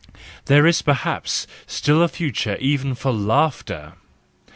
There is perhaps still a future even for laughter!